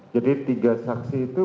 jadi tiga saksi itu